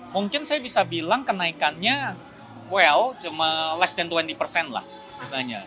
mungkin saya bisa bilang kenaikannya well cuma less tan dua puluh persen lah istilahnya